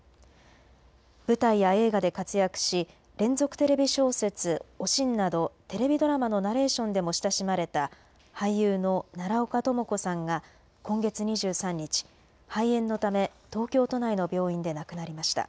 舞台や映画で活躍し連続テレビ小説、おしんなどテレビドラマのナレーションでも親しまれた俳優の奈良岡朋子さんが今月２３日、肺炎のため東京都内の病院で亡くなりました。